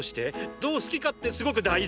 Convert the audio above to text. どう好きかってすごく大事。